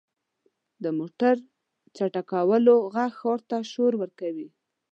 • د موټر چټکولو ږغ ښار ته شور ورکوي.